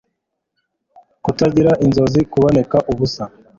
kutagira inzozi, kuboneka ubusa